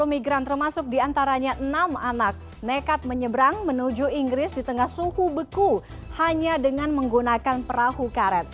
sepuluh migran termasuk diantaranya enam anak nekat menyeberang menuju inggris di tengah suhu beku hanya dengan menggunakan perahu karet